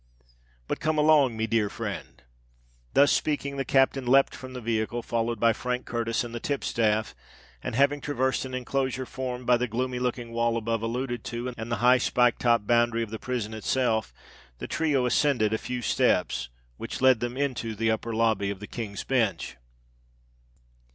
But come along, me dear frind." Thus speaking, the captain leapt from the vehicle, followed by Frank Curtis and the tipstaff; and, having traversed an enclosure formed by the gloomy looking wall above alluded to and the high spike topped boundary of the prison itself, the trio ascended a few steps which led them into the upper lobby of the King's Bench.